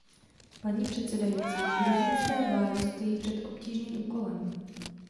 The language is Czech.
Paní předsedající, gruzínská vláda stojí před obtížným úkolem.